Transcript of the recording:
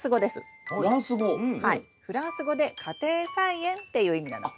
フランス語で家庭菜園っていう意味なの。